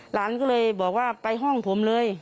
หลานก็เลยบอกว่าไปห้องผมเลย